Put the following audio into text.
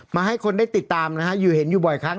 มาให้คนได้ติดตามนะฮะอยู่เห็นอยู่บ่อยครั้ง